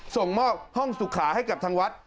ส่งมอบห้องสุขาให้กับทางวัด